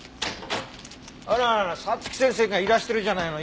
あらあら早月先生がいらしてるじゃないの。